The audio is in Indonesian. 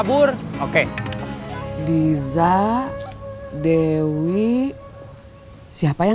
based dessa merupakan